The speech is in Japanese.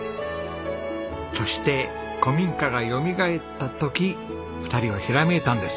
そして古民家がよみがえった時２人はひらめいたんです。